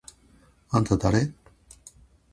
あんただれ？！？